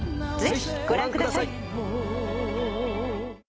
ぜひご覧ください。